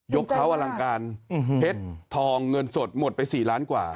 เขาอลังการเพชรทองเงินสดหมดไป๔ล้านกว่า